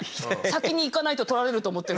先にいかないと取られると思って。